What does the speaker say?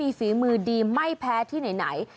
ที่มีศีลมือดีไม่แพ้ที่ไหน